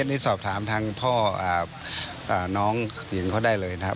นี่สอบถามทางพ่อน้องหญิงเขาได้เลยนะครับ